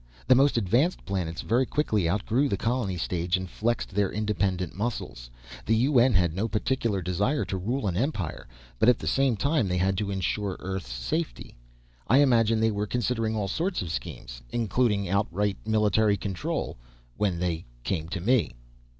The most advanced planets very quickly outgrew the colony stage and flexed their independent muscles. The UN had no particular desire to rule an empire, but at the same time they had to insure Earth's safety. I imagine they were considering all sorts of schemes including outright military control when they came to me.